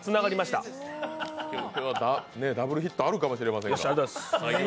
ダブルヒットあるかもしれませんが。